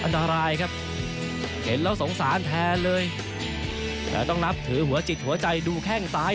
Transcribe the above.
อันตรายครับเห็นแล้วสงสารแทนเลยแต่ต้องนับถือหัวจิตหัวใจดูแข้งซ้าย